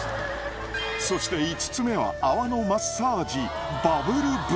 そして５つ目は泡のマッサージ